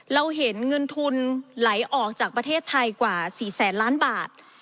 เราเห็นเงินทุนไหลออกจากประเทศไทยกว่า๔แสนล้านบาท